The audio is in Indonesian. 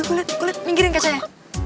gue liat gue liat minggirin kacanya